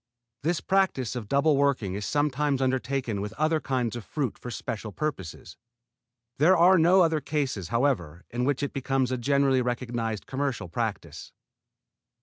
This practise of double working is sometimes undertaken with other kinds of fruit for special purposes. There are no other cases, however, in which it becomes a generally recognized commercial practise.